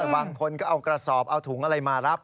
บางคนก็เอากระสอบเอาถุงอะไรมารับ